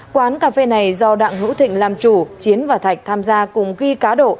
quán cà phê này do đặng hữu thịnh làm chủ chiến và thạch tham gia cùng ghi cá độ